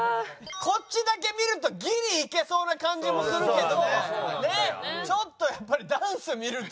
こっちだけ見るとギリいけそうな感じもするけどちょっとやっぱりダンス見ると。